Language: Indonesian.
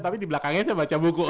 tapi di belakangnya saya baca buku